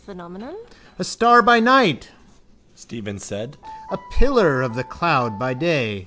—A star by night, Stephen said. A pillar of the cloud by day.